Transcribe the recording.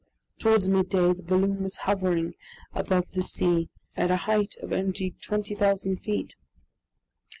Towards midday the balloon was hovering above the sea at a height of only 2,000 feet.